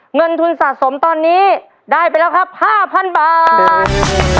เงินทุนสะสมตอนนี้ได้ไปแล้วครับ๕๐๐๐บาท